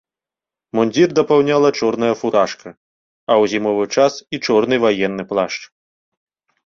Мундзір дапаўняла чорная фуражка, а ў зімовы час і чорны ваенны плашч.